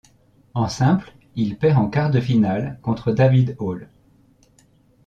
En simple, il perd en quart de finale contre David Hall.